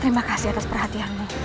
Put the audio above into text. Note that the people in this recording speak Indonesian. terima kasih atas perhatianmu